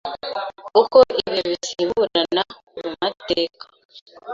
Uko ibihe bisimburana mu matek